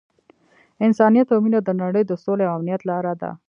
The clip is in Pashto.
انسانیت او مینه د نړۍ د سولې او امنیت لاره ده.